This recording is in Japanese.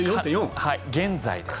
現在です。